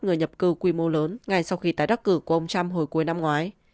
người nhập cư quy mô lớn ngay sau khi tái đắc cử của ông trump hồi cuối năm ngoái